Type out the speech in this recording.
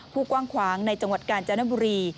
กว้างขวางในจังหวัดกาญจนบุรี